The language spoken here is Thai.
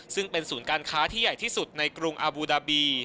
ซึ่งเป็นศูนย์การค้าที่ใหญ่ที่สุดในกรุงอาบูดาบี